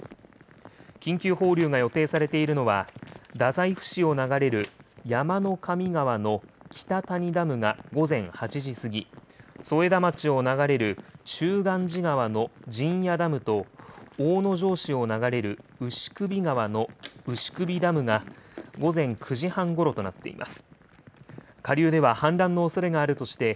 緊急放流が予定されているのは、太宰府市を流れる川の北谷ダムが午前８時過ぎ、添田町を流れるしゅうがんじ川のじんやダムと大野城市を流れる牛頸川の牛頸ダムが午前９時半ごろとなっています。